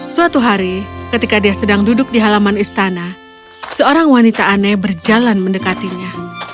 suatu hari ketika dia sedang duduk di halaman istana seorang wanita aneh berjalan mendekatinya